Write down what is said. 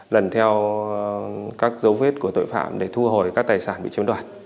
lần theo các dấu vết của tội phạm để thu hồi các tài sản bị chiếm đoạt